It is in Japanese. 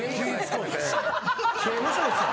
刑務所ですよ。